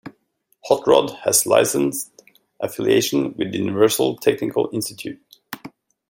"Hot Rod" has licensed affiliation with Universal Technical Institute.